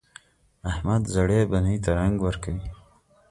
احمد زړې بنۍ ته رنګ ورکوي.